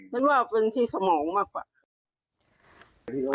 มันว่าเป็นที่สมองมากกว่า